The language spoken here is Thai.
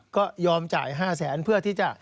ก็ยอมจ่าย๕แสนเพื่อที่จะ